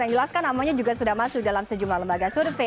yang jelas kan namanya juga sudah masuk dalam sejumlah lembaga survei